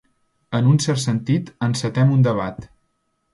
En un cert sentit, encetem un debat.